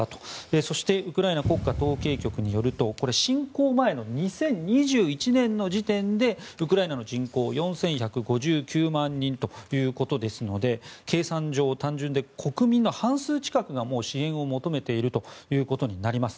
そしてウクライナ国家統計局によると侵攻前の２０２１年の時点でウクライナの人口４１５９万人ということですので計算上、単純に国民の半数近くが支援を求めているとなります。